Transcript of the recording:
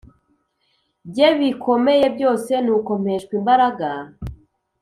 bye bikomeye byose Nuko mpeshwa imbaraga